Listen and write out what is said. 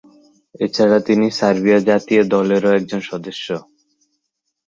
এছাড়া তিনি সার্বিয়া জাতীয় দলেরও একজন সদস্য।